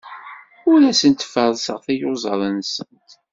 Ur asent-ferrseɣ tiyuzaḍ-nsent.